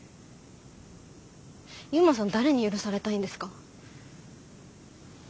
悠磨さん誰に許されたいんですか？